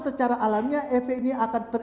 secara alamnya efeknya akan